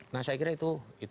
nah saya kira itu